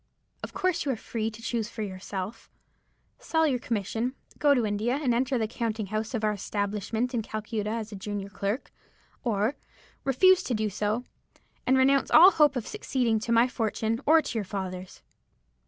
Of course you are free to choose for yourself. Sell your commission, go to India, and enter the counting house of our establishment in Calcutta as a junior clerk; or refuse to do so, and renounce all hope of succeeding to my fortune or to your father's.'